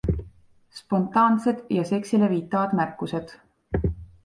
Spontaansed ja seksile viitavad märkused.